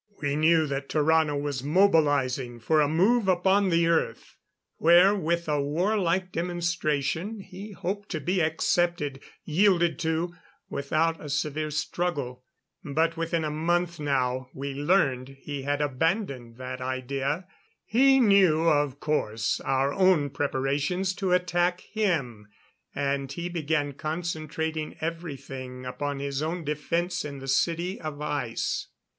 We knew that Tarrano was mobilizing for a move upon the Earth, where with a war like demonstration he hoped to be accepted, yielded to, without a severe struggle. But, within a month now, we learned he had abandoned that idea. He knew, of course, our own preparations to attack him; and he began concentrating everything upon his own defense in the City of Ice.